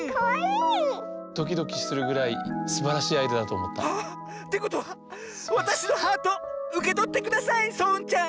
ドキドキするぐらいすばらしいアイデアだとおもった。ってことはわたしのハートうけとってくださいそううんちゃん！